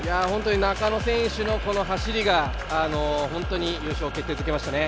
中野選手のこの走りが本当に優勝を決定づけましたね。